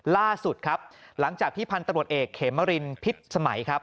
ล่าสุดครับหลังจากที่พันธุ์ตำรวจเอกเขมรินพิษสมัยครับ